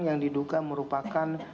yang diduga merupakan